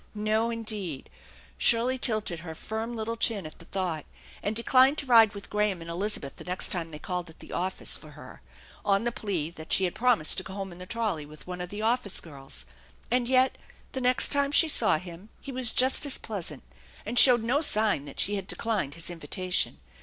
No, indeed ! Shirley tilted her firm little chin at the thought, and declined to ride with Graham and Elizabeth the next time they called at the office for her, on the plea that she had promised to go home in the trolley with one of the office girls. And yet the next time she saw him he was just as pleasant, and showed no sign that she had declined his invitation.